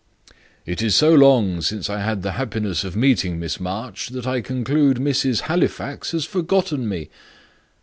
"It is so long since I had the happiness of meeting Miss March, that I conclude Mrs. Halifax has forgotten me?"